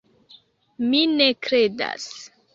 Mi ne kredas!